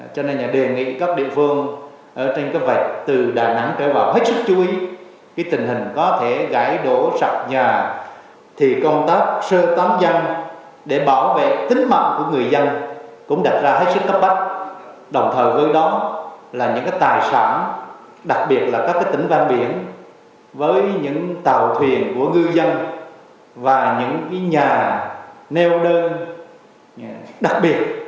cho nên là đề nghị các địa phương ở trên cái vạch từ đà nẵng trở vào hết sức chú ý cái tình hình có thể gãi đổ sạch nhà thì công tác sơn tám dăng để bảo vệ tính mạnh của người dân cũng đặt ra hết sức cấp bắt đồng thời với đó là những cái tài sản đặc biệt là các cái tỉnh vang biển với những tàu thuyền của ngư dân và những cái nhà nêu đơn đặc biệt công an các tỉnh